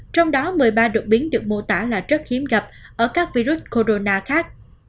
trong đó một mươi ba đột biến được mô tả là rất hiếm gặp ở các virus corona khác